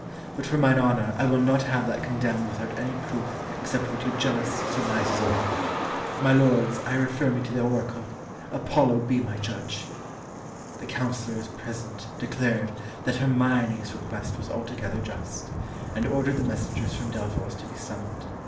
But for mine honour, I will not have that condemned without any proof except what your jealous surmises awake. My lords, I refer me to the Oracle. Apollo be my judge!" The councillors present declared that Hermione's request was altogether just, and ordered the messengers from Delphos to be summoned.